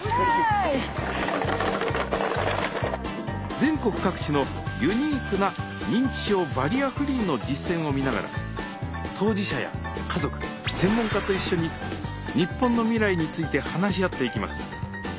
全国各地のユニークな認知症バリアフリーの実践を見ながら当事者や家族専門家と一緒に日本の未来について話し合っていきます。